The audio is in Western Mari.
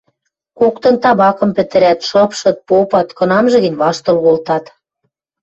Коктын табакым пӹтӹрӓт, шыпшыт, попат, кынамжы гӹнь ваштыл колтат.